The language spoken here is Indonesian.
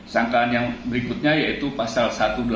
sangkaan yang berikutnya yaitu pasal satu ratus delapan puluh